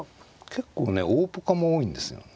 結構ね大ポカも多いんですよね。